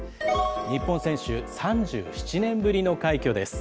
日本選手、３７年ぶりの快挙です。